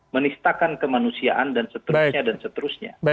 menistakan kemanusiaan dan seterusnya